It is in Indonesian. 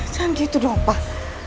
jangan begitu dong pak